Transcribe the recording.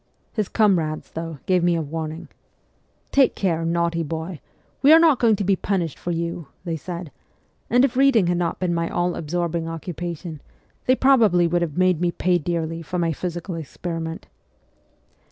His comrades, though, gave me a warning. ' Take care, naughty boy ; we are not going to be punished for you,' they said ; and if reading had not been my all absorbing occupation, they probably would have made me pay dearly for my physical experiment.